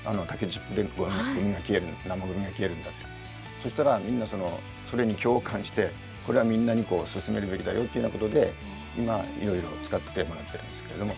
そしたらみんなそれに共感してこれはみんなに勧めるべきだよってなことで今いろいろ使ってもらってるんですけれども。